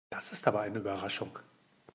Das ist aber eine Überraschung.